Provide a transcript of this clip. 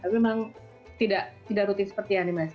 tapi memang tidak rutin seperti animasi